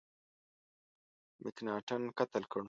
مکناټن قتل کړ.